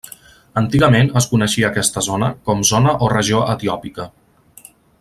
Antigament es coneixia aquesta zona com zona o regió etiòpica.